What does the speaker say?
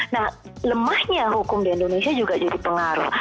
nah lemahnya hukum di indonesia juga jadi pengaruh